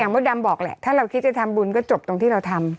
มดดำบอกแหละถ้าเราคิดจะทำบุญก็จบตรงที่เราทำ